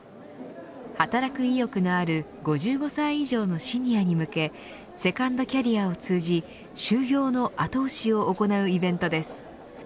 働く意欲のある５５歳以上のシニアに向けセカンドキャリアを通じ就業の後押しを行うイベントです。